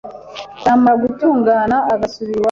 byamara gutungana agasubira iwabo.